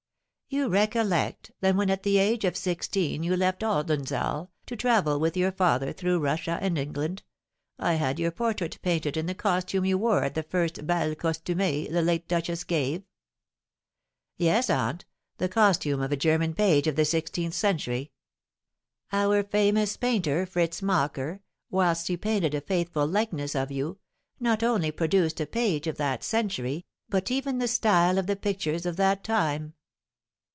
"You recollect that when at the age of sixteen you left Oldenzaal, to travel with your father through Russia and England, I had your portrait painted in the costume you wore at the first bal costumé the late duchess gave?" "Yes, aunt, the costume of a German page of the sixteenth century." "Our famous painter, Fritz Mocker, whilst he painted a faithful likeness of you, not only produced a page of that century, but even the style of the pictures of that time.